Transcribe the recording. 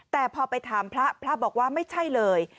แต่พอไปถามพระพระบอกว่าไม่ใช่เลย